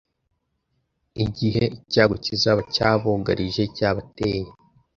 igihe icyago kizaba cyabugarije; cyabateye